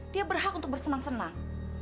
dia berhak untuk bersenang senang